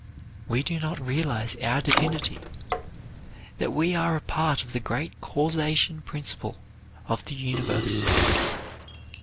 We do not realize our divinity; that we are a part of the great causation principle of the universe.